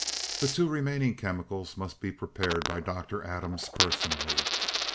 "'The two remaining chemicals must be prepared by Dr. Adams personally.